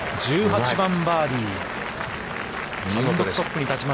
１８番バーディー。